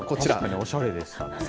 おしゃれでしたね。